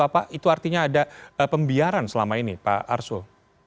apa itu artinya ada pembiaran selama ini pak arsul